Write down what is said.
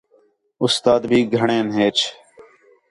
اُستاد بھی گھݨین ہیچ